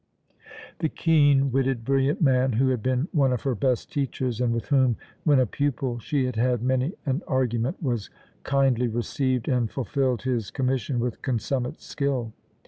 The keen witted, brilliant man, who had been one of her best teachers and with whom, when a pupil, she had had many an argument, was kindly received, and fulfilled his commission with consummate skill.